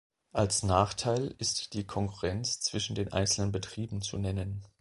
Als Nachteil ist die Konkurrenz zwischen den einzelnen Betrieben zu nennen.